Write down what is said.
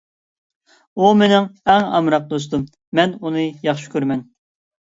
ئۇ مېنىڭ ئەڭ ئامراق دوستۇم. مەن ئۇنى ياخشى كۆرىمەن.